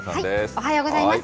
おはようございます。